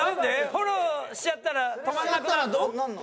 フォローしちゃったら止まらなくなるの？